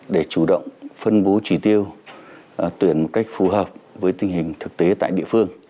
để chủ động phân bố trí tiêu tuyển một cách phù hợp với tình hình thực tế tại địa phương